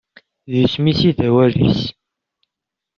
D isem-is i d awal-is.